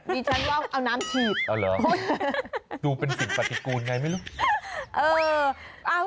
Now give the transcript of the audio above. ดิฉันว่าเอาน้ำฉีดเอาเหรอดูเป็นสิ่งปฏิกูลไงไม่รู้